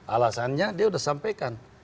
alasannya dia sudah sampaikan